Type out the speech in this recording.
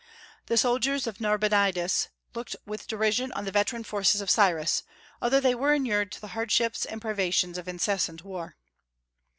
The soldiers of Narbonadius looked with derision on the veteran forces of Cyrus, although they were inured to the hardships and privations of incessant war.